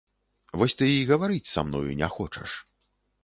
Вось ты і гаварыць са мною не хочаш.